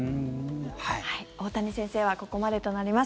大谷先生はここまでとなります。